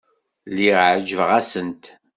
Lliɣ ɛejbeɣ-asent.